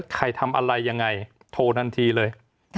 ใครทำอะไรยังไงโทรทันทีเลย